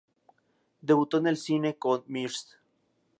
Debutó en el cine con "Mrs.